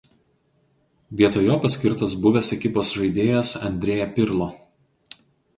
Vietoj jo paskirtas buvęs ekipos žaidėjas Andrea Pirlo.